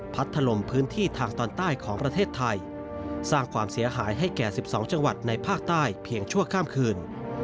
ถล่มพื้นที่ทางตอนใต้ของประเทศไทยสร้างความเสียหายให้แก่๑๒จังหวัดในภาคใต้เพียงชั่วข้ามคืน